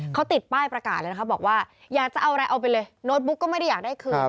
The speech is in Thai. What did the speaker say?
เขาติดป้ายประกาศเลยนะคะบอกว่าอยากจะเอาอะไรเอาไปเลยโน้ตบุ๊กก็ไม่ได้อยากได้คืน